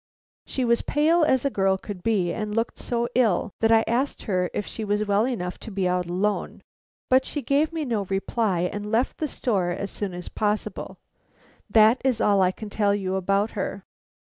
She was pale as a girl could be and looked so ill that I asked her if she was well enough to be out alone; but she gave me no reply and left the store as soon as possible. That is all I can tell you about her."